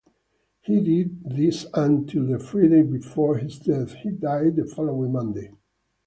He did this until the Friday before his death; he died the following Monday.